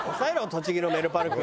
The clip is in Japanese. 栃木のメルパルク！